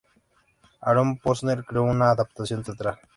Aaron Posner creó una adaptación teatral.